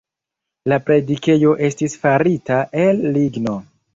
La predikejo estis farita el ligno.